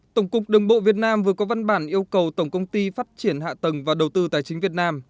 tổng cục đường bộ việt nam vừa có văn bản yêu cầu tổng công ty phát triển hạ tầng và đầu tư tài chính việt nam